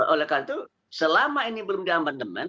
oleh karena itu selama ini belum di amandemen